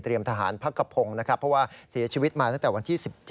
แล้ว๑๙คม๒๕๖๐ชั้น